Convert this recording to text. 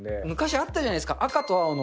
昔、あったじゃないですか。